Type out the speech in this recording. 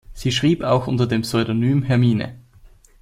Sie schrieb auch unter dem Pseudonym „Hermine“.